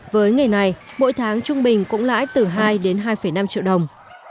với nghề này mỗi tháng trung bình cũng lãi từ hai đến hai năm triệu đồng